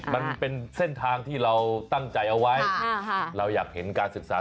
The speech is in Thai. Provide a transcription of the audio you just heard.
มันเป็นเส้นทางที่เราตั้งใจเอาไว้เราอยากเห็นการศึกษา